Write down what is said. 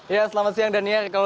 ya selamat siang daniel